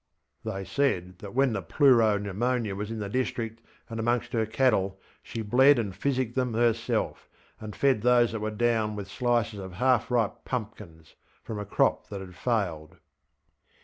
ŌĆÖ They said that when the pleuro pneumonia was in the district and amongst her cattle she bled and physicked them herself, and fed those that were down with slices of half ripe pumpkins (from a crop that had failed).